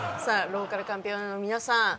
さあローカルカンピオーネの皆さん。